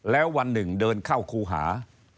แล้ววันหนึ่งเดินเข้าครูหา